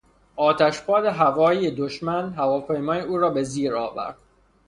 آتش پاد هوایی دشمن هواپیمای او را به زیر آورد.